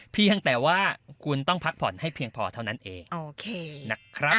เพียงแต่ว่าคุณต้องพักผ่อนให้เพียงพอเท่านั้นเองโอเคนะครับ